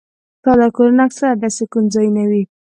ساده کورونه اکثره د سکون ځایونه وي.